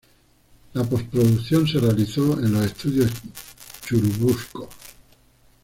La posproducción se realizó en los Estudios Churubusco.